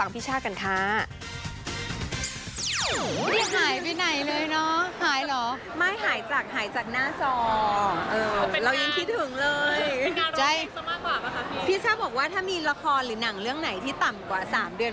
พี่ช่าบอกว่าถ้ามีละครหรือหนังเรื่องไหนที่ต่ำกว่า๓เดือน